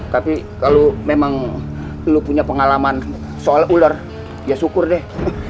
tapi kalau memang lu punya pengalaman soal ular ya syukur deh